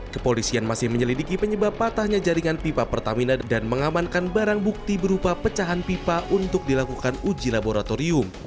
kepolisian masih menyelidiki penyebab patahnya jaringan pipa pertamina dan mengamankan barang bukti berupa pecahan pipa untuk dilakukan uji laboratorium